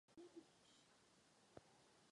Svůj talent však uplatnil i v jiném oboru.